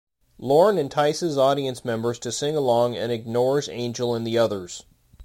Lorne entices audience members to sing along and ignores Angel and the others.